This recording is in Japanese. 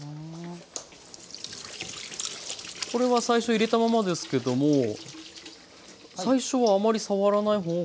これは最初入れたままですけども最初はあまり触らない方がいいんですか？